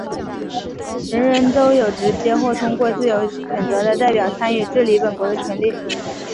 人人有直接或通过自由选择的代表参与治理本国的权利。